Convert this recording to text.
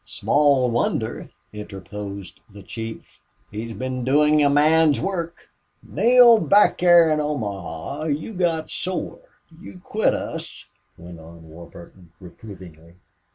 "Small wonder," interposed the chief. "He's been doing a man's work." "Neale, back there in Omaha you got sore you quit us," went on Warburton, reprovingly.